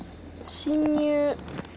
侵入